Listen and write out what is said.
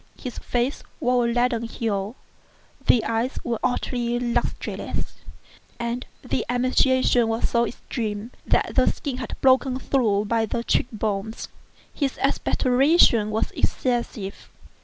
His face wore a leaden hue; the eyes were utterly lustreless; and the emaciation was so extreme that the skin had been broken through by the cheek bones. His expectoration was excessive.